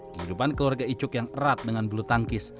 kehidupan keluarga icuk yang erat dengan bulu tangkis